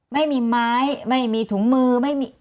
ไม่มีไม้ไม่มีถุงมือ